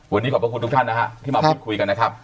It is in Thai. วันนี้ขอบพระคุณทุกท่านนะฮะที่มาพูดคุยกันนะครับ